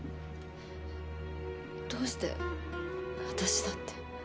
どうして私だって？